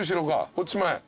こっち前。